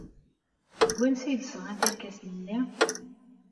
Seg wansi ay d-sɣant irkasen-nni?